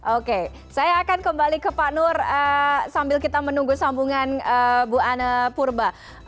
oke saya akan kembali ke pak nur sambil kita menunggu sambungan bu anne purba